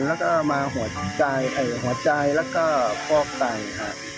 แล้วก็มาหัวใจแล้วก็ฟอกไตค่ะ